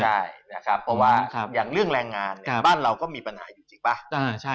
ใช่นะครับเพราะว่าอย่างเรื่องแรงงานเนี่ยบ้านเราก็มีปัญหาอยู่จริงป่ะ